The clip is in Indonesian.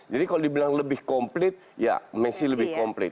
jadi kalau dibilang lebih komplit ya messi lebih komplit